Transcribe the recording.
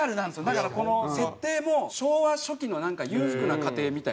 だからこの設定も昭和初期の裕福な家庭みたいな。